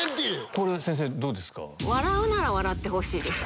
これ先生どうですか？